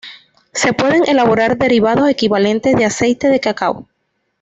Se pueden elaborar derivados equivalentes de aceite de cacao.